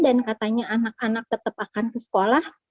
dan katanya anak anak tetap akan ke sekolah